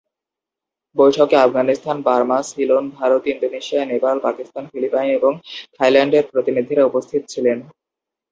বৈঠকে Afghanistan, Burma, Ceylon, Bharat, Indonesia, Nepal, Pakistan, Philippine এবং থাইল্যান্ডের প্রতিনিধিরা উপস্থিত ছিলেন।